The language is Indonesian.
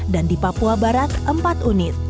di papua barat empat unit